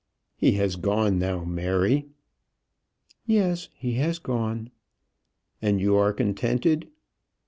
"He has gone now, Mary." "Yes; he has gone." "And you are contented?"